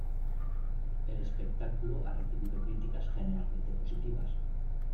El espectáculo ha recibido críticas generalmente positivas.